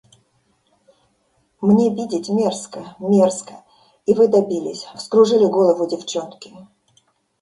Мне видеть мерзко, мерзко, и вы добились, вскружили голову девчонке.